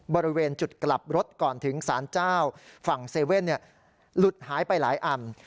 บริเวณจุดกลับรถก่อนถึงสารเจ้าฝั่ง๗๑๑หลุดหายไปหลายอัน